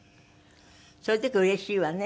そういう時うれしいわね。